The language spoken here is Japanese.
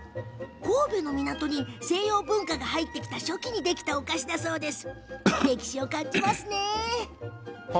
神戸の港に西洋文化が入ってきた初期にできたお菓子だそうです。